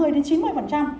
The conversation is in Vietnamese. tám mươi đến chín mươi